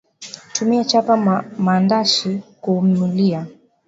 Tumia chapa mandashi Kuumulia